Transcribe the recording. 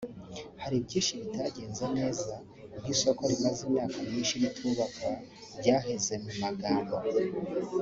hari byinshi bitagenze neza nk’isoko rimaze imyaka myinshi ritubakwa ryaheze mu magambo